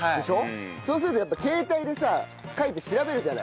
そうするとやっぱ携帯でさ書いて調べるじゃない。